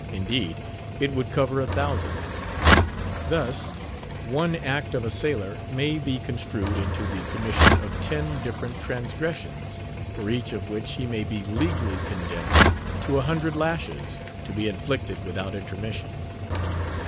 Indeed, it would cover a thousand. Thus: One act of a sailor may be construed into the commission of ten different transgressions, for each of which he may be legally condemned to a hundred lashes, to be inflicted without intermission.